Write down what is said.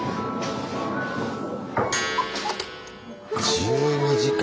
１２時間！